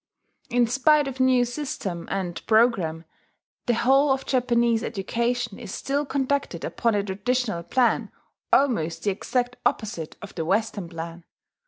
In spite of new system and programme the whole of Japanese education is still conducted upon a traditional plan almost the exact opposite of the Western plan.